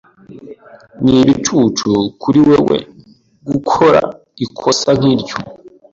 Ni ibicucu kuri wewe gukora ikosa nkiryo.